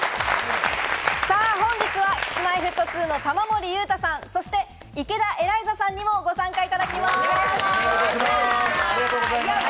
本日はＫｉｓ−Ｍｙ−Ｆｔ２の玉森裕太さん、そして池田エライザさんにもご参加いただきます。